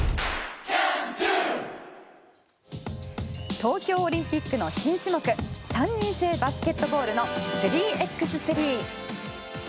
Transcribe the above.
東京オリンピックの新種目３人制バスケットボールの３×３。